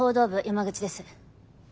山口です。